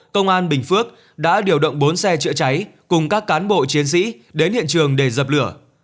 công an bình phước đã điều động bốn xe chữa cháy cùng các cán bộ chiến sĩ đến hiện trường để dập lửa